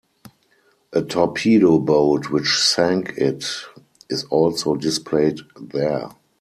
A torpedo boat which 'sank it' is also displayed there.